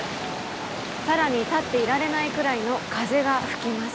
更に立っていられないくらいの風が吹きます。